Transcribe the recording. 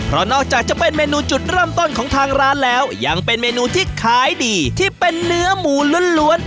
เพราะนอกจากจะเป็นเมนูจุดเริ่มต้นของทางร้านแล้วยังเป็นเมนูที่ขายดีที่เป็นเนื้อหมูล้วน